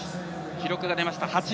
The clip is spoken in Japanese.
記録が出ました。